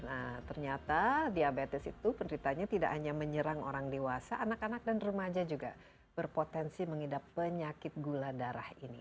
nah ternyata diabetes itu penderitanya tidak hanya menyerang orang dewasa anak anak dan remaja juga berpotensi mengidap penyakit gula darah ini